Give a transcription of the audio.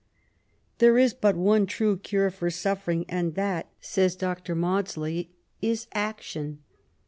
'' There is but one true cure for sufferings and that/' says Dr, Maudsley, ''is action."